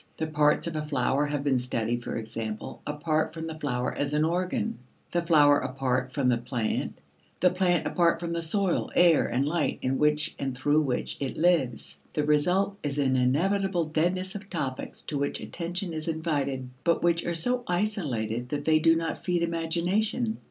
The parts of a flower have been studied, for example, apart from the flower as an organ; the flower apart from the plant; the plant apart from the soil, air, and light in which and through which it lives. The result is an inevitable deadness of topics to which attention is invited, but which are so isolated that they do not feed imagination.